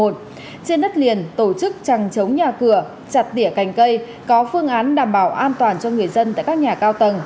trên đất liền tổ chức trăng chống nhà cửa chặt tỉa cành cây có phương án đảm bảo an toàn cho người dân tại các nhà cao tầng